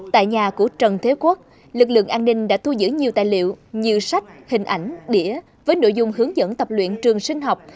tại nhà của trần thế quốc lực lượng an ninh đã thu giữ nhiều tài liệu như sách hình ảnh đĩa với nội dung hướng dẫn tập luyện trường sinh học